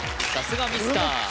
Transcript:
さすがミスター